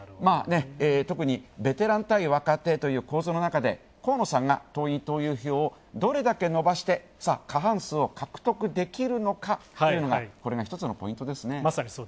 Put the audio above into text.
特にベテラン対若手という構造の中で河野さんが党員・党友票をどれだけ伸ばして過半数を獲得できるのかというのがこれが一つのポイントですね。